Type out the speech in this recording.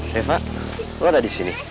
reva aku ada di sini